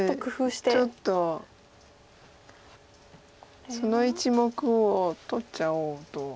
ちょっとその１目を取っちゃおうと。